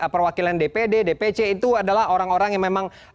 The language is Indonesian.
perwakilan dpd dpc itu adalah orang orang yang memang